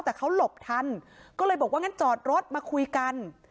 แต่เขาหลบทันก็เลยบอกว่างั้นจอดรถมาคุยกัน